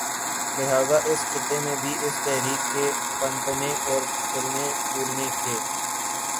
لہٰذا اس خطے میں بھی اس تحریک کے پنپنے اور پھلنے پھولنے کے